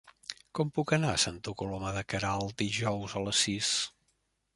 Com puc anar a Santa Coloma de Queralt dijous a les sis?